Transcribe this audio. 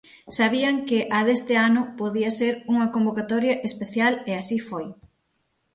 Sabían que a deste ano podía ser unha convocatoria especial e así foi.